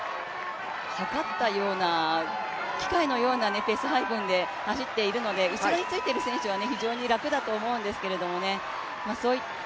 計ったような機械のようなペース配分で走っているので、後ろについている選手は非常に楽だと思うんですけどね。